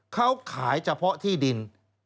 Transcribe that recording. เขาขายเฉพาะที่ดิน